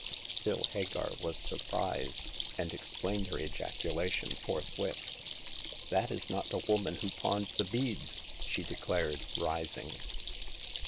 Still, Hagar was surprised, and explained her ejacula tion forthwith. 72 Hagar of the Pawn Shop. " That is not the woman who pawned the beads !" she declared, rising.